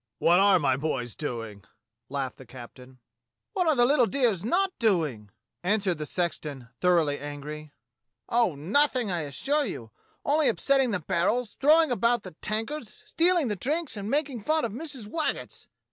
"What are my boys doing?" laughed the captain. "Wliat are the little dears not doing?" answered the sexton, thoroughly angry. "Oh, nothing, I assure you! Only upsetting the barrels, throwin' about the tankards, stealin' the drinks, and makin' fun of Missus Waggetts."